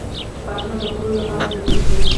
• غاښونه د خوړلو لپاره ضروري دي.